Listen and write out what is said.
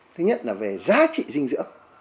thứ nhất là về giá trị dinh dưỡng